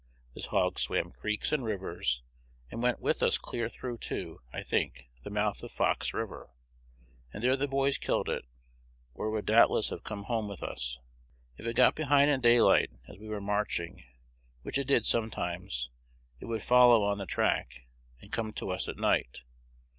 This hog swam creeks and rivers, and went with us clear through to, I think, the mouth of Fox River; and there the boys killed it, or it would doubtless have come home with us. If it got behind in daylight as we were marching, which it did sometimes, it would follow on the track, and come to us at night.